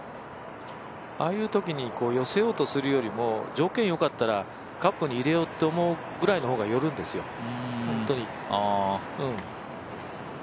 ああいうときに寄せようとするよりも条件、よかったらカップに入れようと思うぐらいの方が寄るんですよ。